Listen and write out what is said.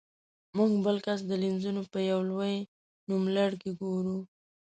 موږ بل کس د لینزونو په یو لوی نوملړ کې ګورو.